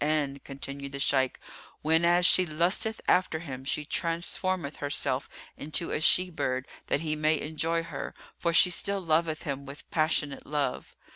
"And," continued the Shaykh, "whenas she lusteth after him she transformeth herself into a she bird that he may enjoy her, for she still loveth him with passionate love.